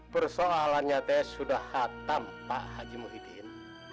persoalannya saya sudah hatam pak haji muhyiddin